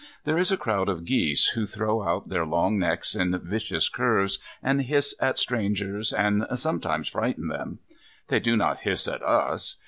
There is a crowd of geese, who throw out their long necks in vicious curves, and hiss at strangers and sometimes frighten them. They do not hiss at us.